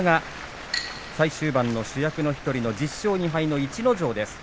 最終盤の主役の１人の１０勝２敗の逸ノ城です。